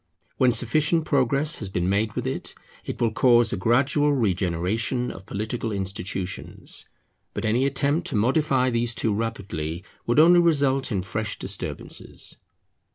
When sufficient progress has been made with it, it will cause a gradual regeneration of political institutions. But any attempt to modify these too rapidly would only result in fresh disturbances.